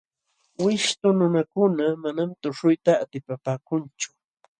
Wishtu nunakuna manam tuśhuyta atipapaakunchu.